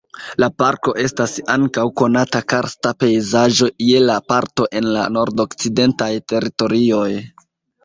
La parko estas ankaŭ konata karsta pejzaĝo je la parto en la Nordokcidentaj Teritorioj.